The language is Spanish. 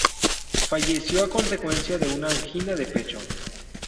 Falleció a consecuencia de una angina de pecho.